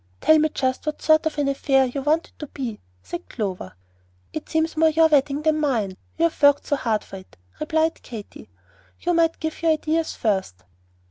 "Tell me just what sort of an affair you want it to be," said Clover. "It seems more your wedding than mine, you have worked so hard for it," replied Katy. "You might give your ideas first."